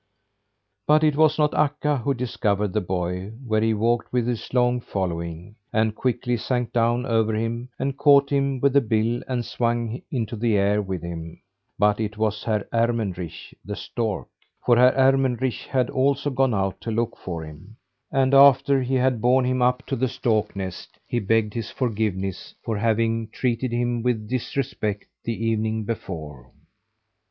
But it was not Akka who discovered the boy where he walked with his long following, and quickly sank down over him and caught him with the bill and swung into the air with him, but it was Herr Ermenrich, the stork! For Herr Ermenrich had also gone out to look for him; and after he had borne him up to the stork nest, he begged his forgiveness for having treated him with disrespect the evening before.